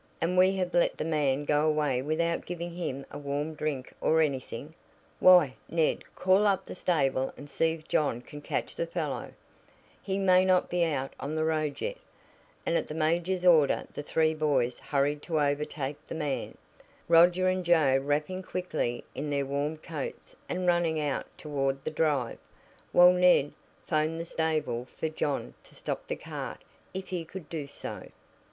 And we have let the man go away without giving him a warm drink or anything! Why, Ned, call up the stable and see if John can catch the fellow; he may not be out on the road yet," and at the major's order the three boys hurried to overtake the man, Roger and Joe wrapping quickly in their warm coats and running out toward the drive, while Ned 'phoned the stable for John to stop the cart if he could do so.